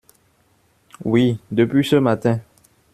Oui, depuis ce matin.